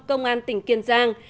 công an tỉnh kiên giang